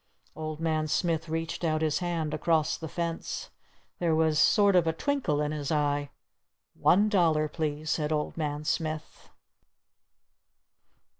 Old Man Smith reached out his hand across the fence. There was sort of a twinkle in his eye. "One dollar, please," said Old Man Smith.